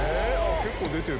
結構出てる。